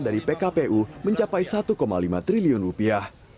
dari pkpu mencapai satu lima triliun rupiah